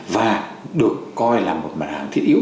và được coi là một mặt hàng thiết yếu